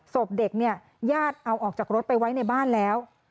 ศพเด็กเนี่ยญาติเอาออกจากรถไปไว้ในบ้านแล้ว